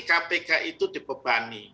kpk itu dibebani